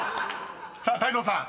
［さあ泰造さん］